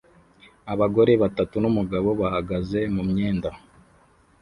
Abagore batatu numugabo bahagaze mumyenda